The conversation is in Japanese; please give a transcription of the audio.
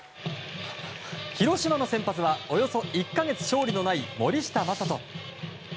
広島の先発はおよそ１か月勝利のない森下暢仁。